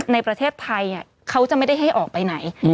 ในประเทศไทยเขาจะไม่ได้ให้ออกไปไหน